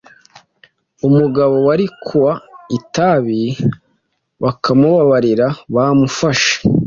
Umugabo wari kuwa itabi bakamubabarira bamufashe